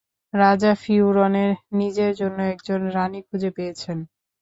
রাজা ফিওরনের নিজের জন্য একজন রানী খুঁজে পেয়েছেন।